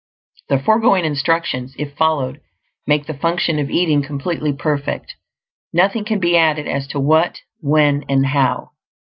The foregoing instructions, if followed, make the function of eating completely perfect; nothing can be added as to what, when, and how.